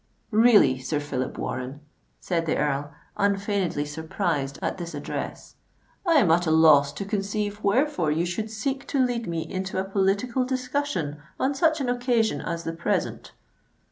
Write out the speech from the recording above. "Really, Sir Phillip Warren," said the Earl, unfeignedly surprised at this address, "I am at a loss to conceive wherefore you should seek to lead me into a political discussion on such an occasion as the present."